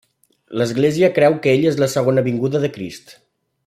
L'església creu que ell és la segona vinguda de Crist.